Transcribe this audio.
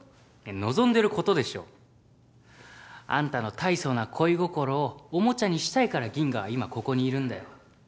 望んでることでしょあんたの大層な恋心をおもちゃにしたいからギンガは今ここにいるんだよ